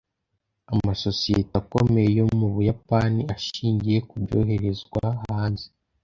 amasosiyete akomeye yo mu buyapani ashingiye kubyoherezwa hanze